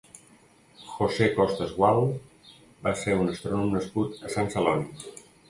José Costas Gual va ser un astrònom nascut a Sant Celoni.